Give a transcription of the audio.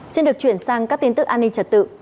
xin được chuyển sang các tin tức an ninh trật tự